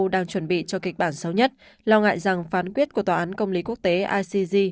đang chuẩn bị cho kịch bản sáu nhất lo ngại rằng phán quyết của tòa án công lý quốc tế icg